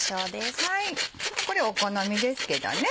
これお好みですけどね。